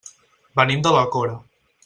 Venim de l'Alcora.